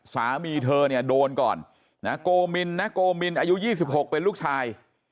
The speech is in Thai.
สามีเธอเนี่ยโดนก่อนนะโกมินนะโกมินอายุ๒๖เป็นลูกชาย